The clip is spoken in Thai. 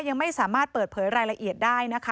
ยังไม่สามารถเปิดเผยรายละเอียดได้นะคะ